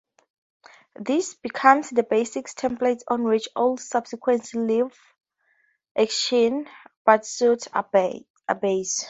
This becomes the basic template on which all subsequent live-action Batsuits are based.